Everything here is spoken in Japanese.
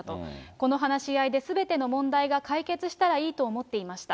この話し合いですべての問題が解決したらいいと思っていました。